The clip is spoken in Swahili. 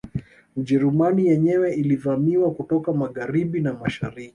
Ujerumani yenyewe ilivamiwa kutoka Magharibi na mashariki